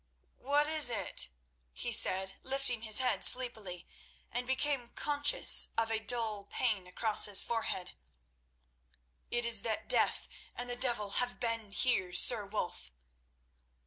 "What is it?" he said, lifting his head sleepily, and becoming conscious of a dull pain across his forehead. "It is that death and the devil have been here, Sir Wulf."